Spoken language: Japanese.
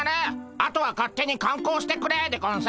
あとは勝手に観光してくれでゴンス。